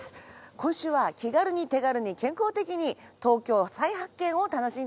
今週は気軽に手軽に健康的に東京再発見を楽しんでいます。